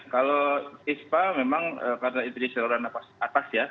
kalau ispa memang karena itu di saluran nafas atas ya